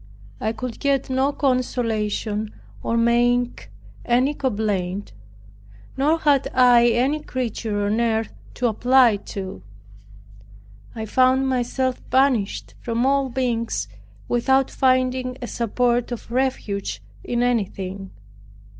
I could get no consolation or make any complaint; nor had I any creature on earth to apply to. I found myself banished from all beings without finding a support of refuge in anything.